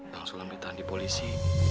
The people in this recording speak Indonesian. bang sulam ditahan di polisi